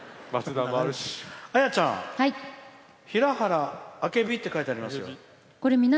綾ちゃん、平原あけびって書いてありますよ。